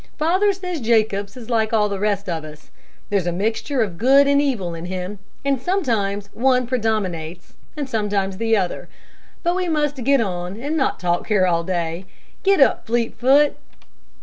Father says Jacobs is like all the rest of us. There's mixture of good and evil in him, and sometimes one predominates, and sometimes the other. But we must get on and not talk here all day. Get up, Fleetfoot."